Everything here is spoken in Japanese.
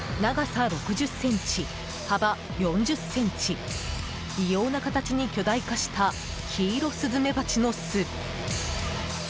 長さ６０ｃｍ、幅４０ｃｍ異様な形に巨大化したキイロスズメバチの巣。